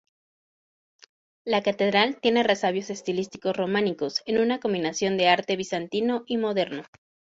La catedral tiene resabios estilísticos románicos, en una combinación de arte Bizantino y Moderno.